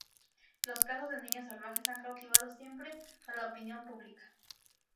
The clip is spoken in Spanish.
Los casos de niños salvajes han cautivado siempre a la opinión pública.